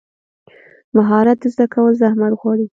مهارت زده کول زحمت غواړي.